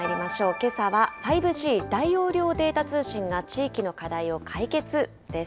けさは、５Ｇ大容量データ通信が地域の課題を解決です。